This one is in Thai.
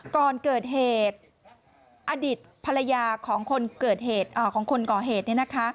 ก่อนเกิดเหตุอดีตภรรยาของคนก่อเหตุ